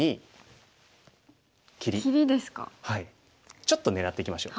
ちょっと狙っていきましょう。